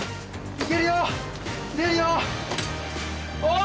いけるよ出るよおお！